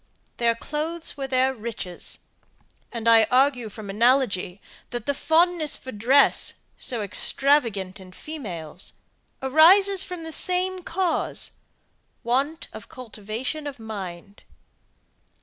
Their clothes were their riches; and I argue from analogy, that the fondness for dress, so extravagant in females, arises from the same cause want of cultivation of mind.